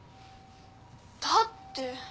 だって。